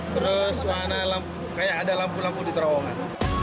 terus kayak ada lampu lampu di terowongan